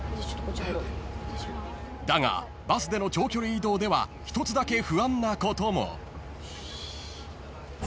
［だがバスでの長距離移動では一つだけ不安なことも］